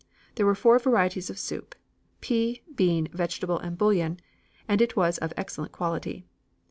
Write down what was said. There were four varieties of soup, pea, bean, vegetable and bouillon, and it was of excellent quality.